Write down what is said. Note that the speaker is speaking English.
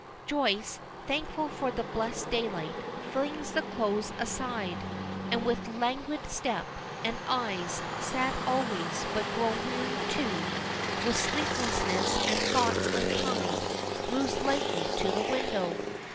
Joyce, thankful for the blessed daylight, flings the clothes aside, and with languid step, and eyes, sad always, but grown weary, too, with sleeplessness and thoughts unkind, moves lightly to the window.